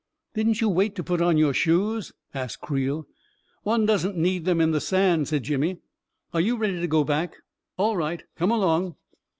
" Didn't you wait to put on your shoes ?" asked Creel. " One doesn't need them in the sand," said Jimmy. " Are you ready to go back ? All right, come along!